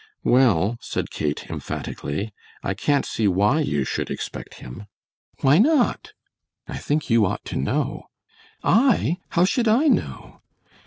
"Well," said Kate, emphatically, "I can't see why you should expect him." "Why not?" "I think you ought to know." "I, how should I know?"